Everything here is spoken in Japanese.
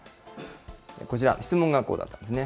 こちら、質問がこうだったんですね。